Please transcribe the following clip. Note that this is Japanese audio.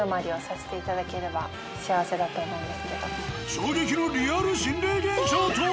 衝撃のリアル心霊現象とは！？